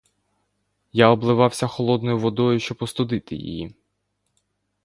Я обливався холодною водою, щоб остудити її.